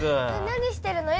何してるの？